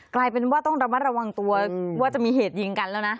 กลายเป็นว่าต้องระมัดระวังตัวว่าจะมีเหตุยิงกันแล้วนะ